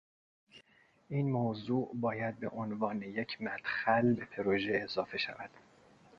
این موضوع باید به عنوان یک مدخل به پروژه اضافه شود